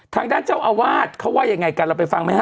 ทางด้านเจ้าอาวาสเขาว่ายังไงกันเราไปฟังไหมฮ